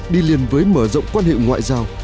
đi liền với mở rộng quan hệ ngoại giao